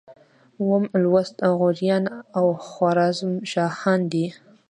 اووم لوست غوریان او خوارزم شاهان دي.